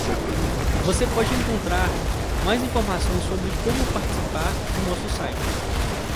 Você pode encontrar mais informações sobre como participar do nosso site.